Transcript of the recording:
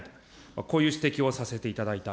こういう指摘をさせていただいた。